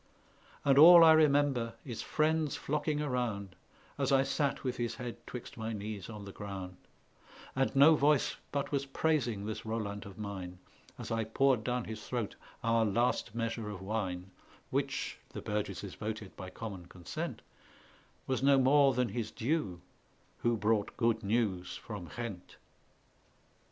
And all I remember is friends flocking around, As I sate with his head twixt my knees on the ground; And no voice but was praising this Roland of mine As I poured down his throat our last measure of wine, Which (the burgesses voted by common consent) Was no more than his due who brought good news from Ghent.